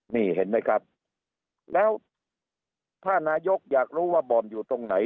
นี่เห็นไหมครับแล้วถ้านายกอยากรู้ว่าบ่อนอยู่ตรงไหน